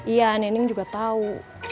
iya neneng juga tau